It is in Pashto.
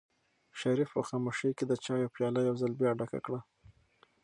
شریف په خاموشۍ کې د چایو پیاله یو ځل بیا ډکه کړه.